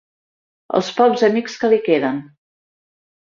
Els pocs amics que li queden.